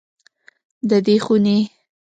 د دې خونې